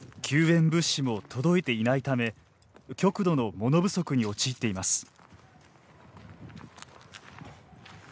救援物資も届いていないため極度の物不足に陥っています。